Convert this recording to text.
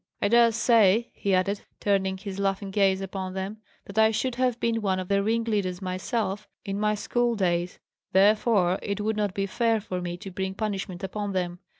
I dare say," he added, turning his laughing gaze upon them, "that I should have been one of the ringleaders myself, in my school days, therefore it would not be fair for me to bring punishment upon them.